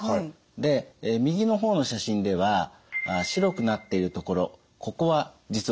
で右の方の写真では白くなっているところここは実はがんです。